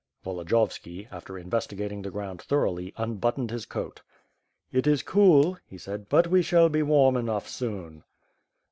Volodiyovski, after investigating the ground thoroughly, unbuttoned his coat. "It is cool," he said, ^T)ut we shall be warm enough soon."